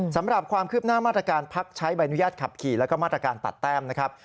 สำหรับความคืบหน้ามาตรการพักใช้ใบอนุญาตขับขี่แล้วก็มาตรการตัดแต้มนะครับ